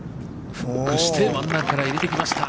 フックして、真ん中から入れてきました。